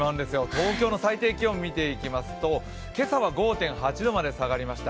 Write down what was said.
東京の最低気温を見ていきますと今朝は５．８度まで下がりました。